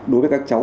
đối với các cháu